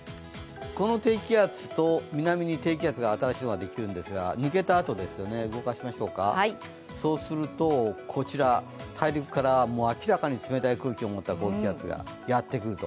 この低気圧と、南に低気圧が、新しいのができるんですが抜けたあと、動かしましょうかそうするとこちら、大陸から明らかに冷たい空気を持った高気圧がやってくると。